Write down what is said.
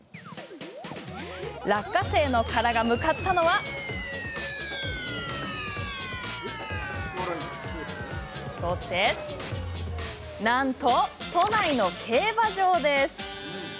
落花生の殻が向かったのはなんと都内の競馬場。